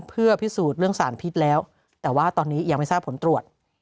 เพื่อพิสูจน์เรื่องสารพิษแล้วแต่ว่าตอนนี้ยังไม่ทราบผลตรวจ